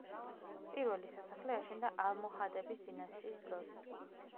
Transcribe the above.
პირველი სასახლე აშენდა ალმოჰადების დინასტიის დროს.